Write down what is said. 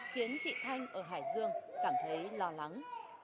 khiến chị thanh ở hải dương cảm thấy lo lắng